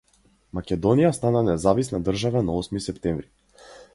Македонија стана независна држава на Осми септември.